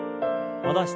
戻して。